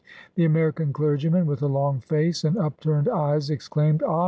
The American clergyman, with a long face and upturn ed eyes, exclaimed, "Ah!